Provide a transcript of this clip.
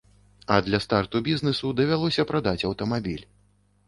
А для старту бізнэсу давялося прадаць аўтамабіль.